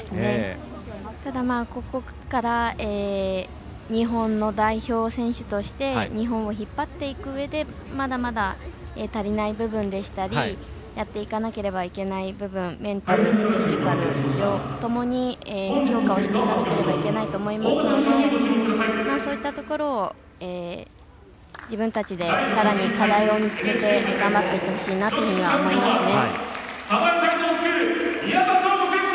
ただ、ここから日本の代表選手として日本を引っ張っていくうえでまだまだ足りない部分でしたりやっていかなければいけない部分メンタル、フィジカルともに強化をしていかなければいけないと思いますのでそういったところを自分たちでさらに課題を見つけて頑張っていってほしいなとは思いますね。